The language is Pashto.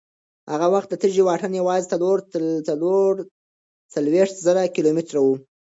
هغه وخت د تېږې واټن یوازې څلور څلوېښت زره کیلومتره و.